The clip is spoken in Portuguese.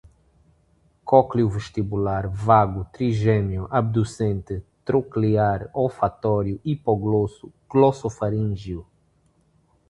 cócleo-vestibular, vago, trigêmeo, abducente, troclear, olfatório, hipoglosso, glossofaríngeo